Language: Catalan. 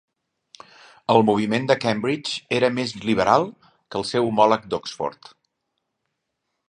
El Moviment de Cambridge era més liberal que el seu homòleg d'Oxford.